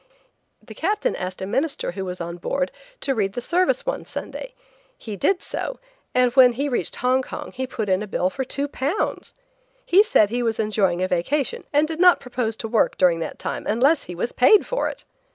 The captain asked a minister who was on board to read the service one Sunday. He did so, and when he reached Hong Kong he put in a bill for two pounds! He said he was enjoying a vacation and did not propose to work during that time unless he was paid for it!